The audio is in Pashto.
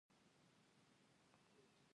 خپل کتابونه او د نقاشۍ پاڼې به هم ورسره وې